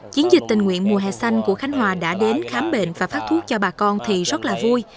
chiến dịch tình nguyện mùa hè xanh của khánh hòa đã đến khám bệnh và phát thuốc cho bà con thì rất là vui